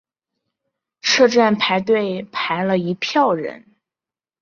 车站排队排了一票人